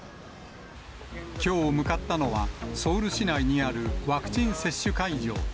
きょう向かったのは、ソウル市内にあるワクチン接種会場。